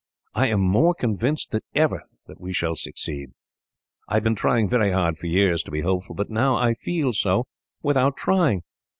I am more convinced than ever that we shall succeed. I have been trying very hard, for years, to be hopeful, but now I feel so without trying.